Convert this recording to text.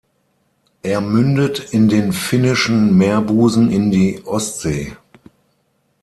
Er mündet in den Finnischen Meerbusen in die Ostsee.